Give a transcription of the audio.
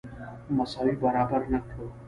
مساوي برابر نه کړو.